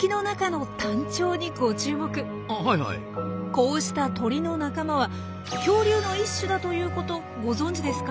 こうした鳥の仲間は恐竜の一種だということご存じですか？